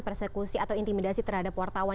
persekusi atau intimidasi terhadap wartawan